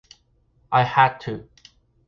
I had to.